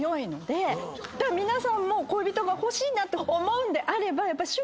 皆さんも恋人が欲しいなと思うんであれば。